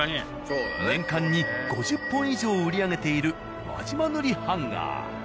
年間に５０本以上を売り上げている輪島塗ハンガー。